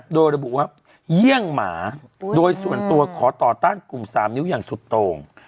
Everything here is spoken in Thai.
โดยระบุว่าเยี่ยงหมาโดยส่วนตัวขอต่อต้านกลุ่ม๓นิ้วอย่างสุดโต่ง